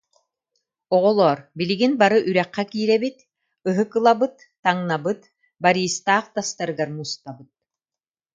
Оҕолоор, билигин бары үрэххэ киирэбит, ыһык ылабыт, таҥнабыт, Бористаах тастарыгар мустабыт